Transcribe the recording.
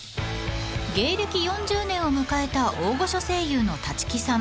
［芸歴４０年を迎えた大御所声優の立木さん］